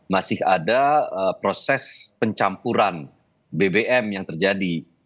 masih ada proses pencampuran bbm yang terjadi